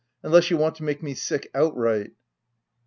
— unless you want to make me sick outright."